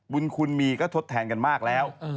บุญคุณมีก็ทดแทนกันมากแล้ว